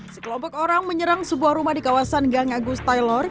sekelompok orang menyerang sebuah rumah di kawasan gang agus tylor